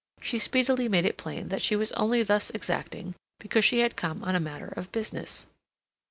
She speedily made it plain that she was only thus exacting because she had come on a matter of business.